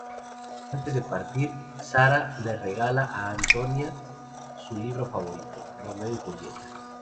Antes de partir, Sara le regala a Antonia su libro favorito, "Romeo y Julieta".